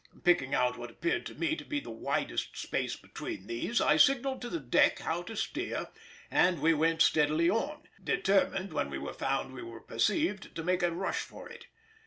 Picking out what appeared to me to be the widest space between these, I signalled to the deck how to steer, and we went steadily on—determined when we found we were perceived to make a rush for it.